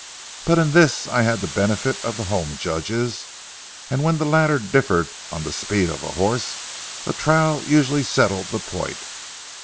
But in this I had the benefit of the home judges, and when the latter differed on the speed of a horse, a trial usually settled the point.